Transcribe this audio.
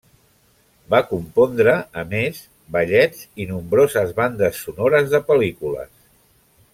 Va compondre, a més, ballets i nombroses bandes sonores de pel·lícules.